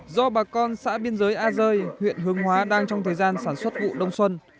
do bà con xã biên giới a rơi huyện hương hóa đang trong thời gian sản xuất vụ đông xuân